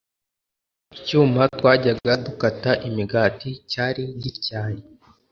icyuma twajyaga dukata imigati cyari gityaye